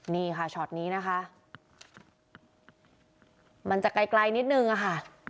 นี่ค่ะช็อตนี้นะคะมันจะไกลไกลนิดนึงอะค่ะ